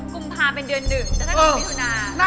กุมพาเป็นเดือน๑แล้วก็เป็นปีศุนา